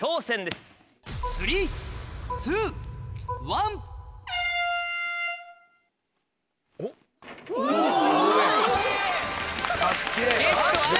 すごい！